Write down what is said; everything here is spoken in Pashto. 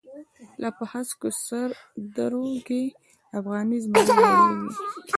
لا په هسکو سر درو کی، افغانی زمری غوریږی